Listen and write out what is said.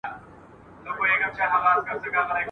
څوک ابدال یو څوک اوتاد څوک نقیبان یو !.